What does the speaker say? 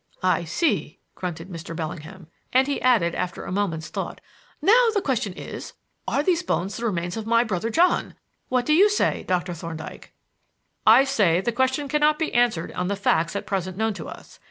"I see," grunted Mr. Bellingham; and he added, after a moment's thought: "Now, the question is, Are these bones the remains of my brother John? What do you say, Doctor Thorndyke?" "I say that the question cannot be answered on the facts at present known to us.